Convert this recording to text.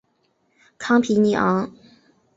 康皮尼昂。